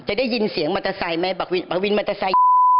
จะได้ยินเสียงมอเตอร์ไซค์ไหมวินมอเตอร์ไซค์